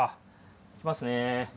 いきますね。